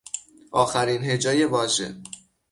آخرین هجای واژه